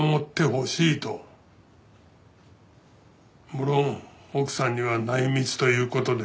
無論奥さんには内密という事でな。